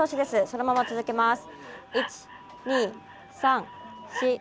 そのまま続けます。